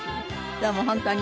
どうも本当に。